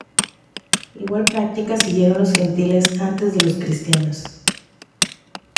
Igual práctica siguieron los gentiles antes de los cristianos.